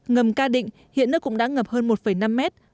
ngầm ca định hiện nơi cũng đã ngập hơn một năm mét